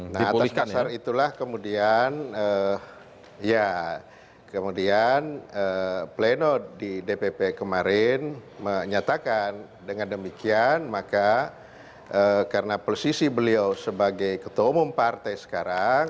nah atas kasar itulah kemudian ya kemudian pleno di dpp kemarin menyatakan dengan demikian maka karena posisi beliau sebagai ketua umum partai sekarang